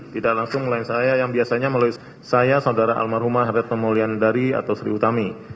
tidak langsung melain saya yang biasanya melalui saya saudara almarhumah retno mulyandari atau sri utami